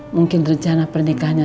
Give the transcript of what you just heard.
mungkin rencana pernikahannya